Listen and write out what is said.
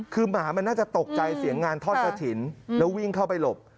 คือหมามันน่าจะตกใจเสียงงานทอดกระถิ่นแล้ววิ่งเข้าไปหลบ